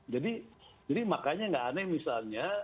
jadi makanya nggak aneh misalnya